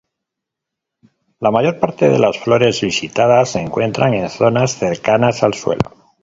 La mayor parte de las flores visitadas se encuentran en zonas cercanas al suelo.